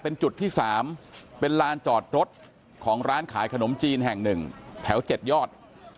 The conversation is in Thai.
เป็นจุดที่๓เป็นลานจอดรถของร้านขายขนมจีนแห่ง๑แถว๗ยอด